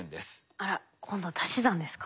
あらっ今度は足し算ですか。